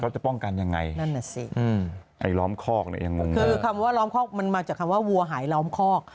จะป้องกันอย่างไรนั่นแหละสิคือคำว่าล้อมคอกมันมาจากคำว่าวัวหายล้อมคอก